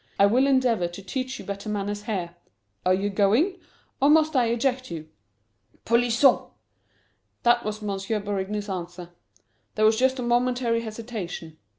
I will endeavour to teach you better manners here. Are you going? Or must I eject you?" "Polison!" That was M. Berigny's answer. There was just a momentary hesitation.